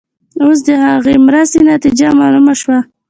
اوس د هغې مرستې نتیجه معلومه شوه.